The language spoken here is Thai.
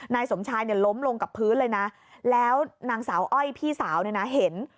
นายสมชายเนี่ยล้มลงกับพื้นเลยนะแล้วนางสาวอ้อยพี่สาวเนี่ยนะเห็น